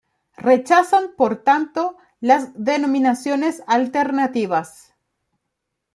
Rechazan por tanto las denominaciones alternativas.